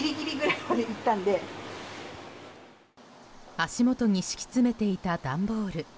足元に敷き詰めていた段ボール。